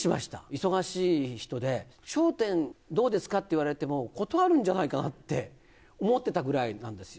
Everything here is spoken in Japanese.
忙しい人で、笑点どうですかって言われても、断るんじゃないかなって思ってたぐらいなんですよ。